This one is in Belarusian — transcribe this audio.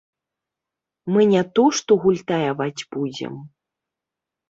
Мы не то што гультаяваць будзем.